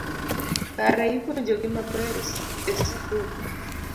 Kare ipuonjogi maber e sikul